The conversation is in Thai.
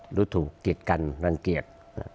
หรือถูกกิจกันรังเกียจ